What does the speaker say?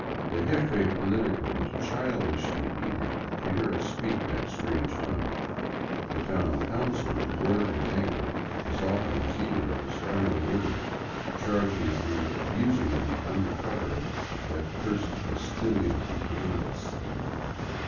The jefe politico was childishly eager to hear us speak that strange tongue; the town councilor roared with anger as often as either of us uttered a word of it, charging that we were abusing him under cover of " that cursed Castilian of the gringos."